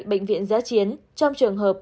bệnh viện giá chiến trong trường hợp